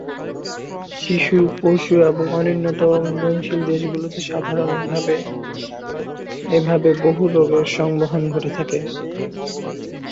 শিশু, পশু এবং অনুন্নত ও উন্নয়নশীল দেশগুলিতে সাধারণভাবে এভাবে বহু রোগের সংবহন ঘটে থাকে।